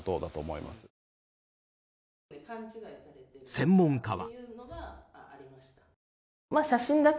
専門家は。